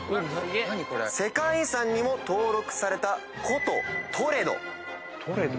世界遺産にも登録された古都トレド。